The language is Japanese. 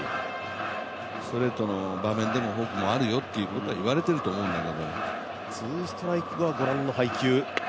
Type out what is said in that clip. ストレートの場面でもフォークもあるよということは言われてると思うんだけど。